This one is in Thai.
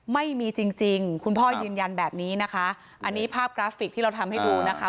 ไม่มีจริงจริงคุณพ่อยืนยันแบบนี้นะคะอันนี้ภาพกราฟิกที่เราทำให้ดูนะคะ